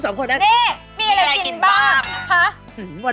นี่มีอะไรกินบ้างคะ